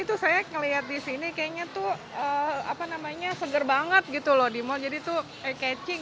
itu saya kelihat disini kayaknya tuh apa namanya seger banget gitu loh di mall jadi tuh kecing